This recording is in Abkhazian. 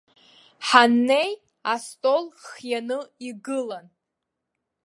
Ҳаннеи, астол хианы игылан.